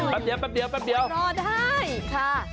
แป๊บเดียวเห็นไหมคะรอได้